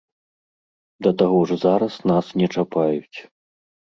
Да таго ж зараз нас не чапаюць.